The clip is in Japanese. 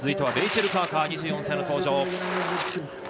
レイチェル・カーカー２４歳の登場。